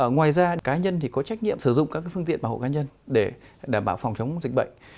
ngoài ra cá nhân thì có trách nhiệm sử dụng các phương tiện bảo hộ cá nhân để đảm bảo phòng chống dịch bệnh